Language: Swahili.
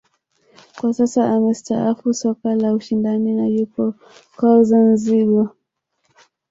Kwa sasa amestaafu soka la ushindani na yupo kwao Zanzibar